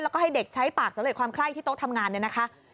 และให้เด็กใช้ปากสร้างเหล็กความไข้ที่โต๊ะทำงานนะคะ